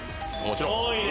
もちろん！